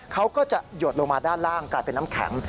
เขาก็จะหยดลงมาด้านล่างกลายเป็นน้ำแข็ง